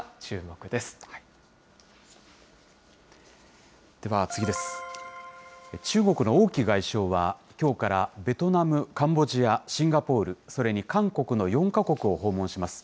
中国の王毅外相は、きょうからベトナム、カンボジア、シンガポール、それに韓国の４か国を訪問します。